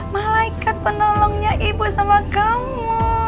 malaikat penolongnya ibu sama kamu